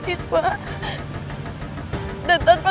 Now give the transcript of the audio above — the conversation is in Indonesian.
aku bisa balik kuliah lagi tanpa biasa